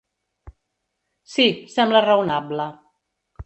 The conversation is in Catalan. Sí, sembla raonable.